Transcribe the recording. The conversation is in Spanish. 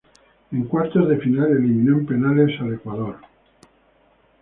En cuartos de final eliminó en penales a Ecuador.